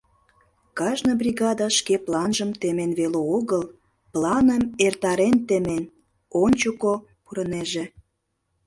Кажне бригада шке планжым темен веле огыл, планым эртарен темен, ончыко пурынеже.